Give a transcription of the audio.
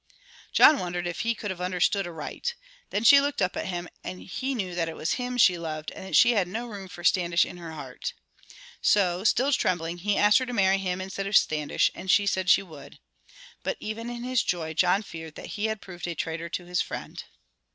John wondered if he could have understood aright. Then she looked up at him and he knew that it was him she loved and that she had no room for Standish in her heart. So, still trembling, he asked her to marry him instead of Standish, and she said she would. But even in his joy John feared that he had proved a traitor to his friend.